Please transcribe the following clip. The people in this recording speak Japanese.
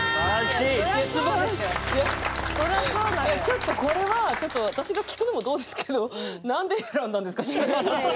ちょっとこれは私が聞くのもどうですけど何で選んだんですか？